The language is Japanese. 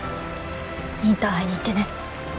インターハイに行ってね。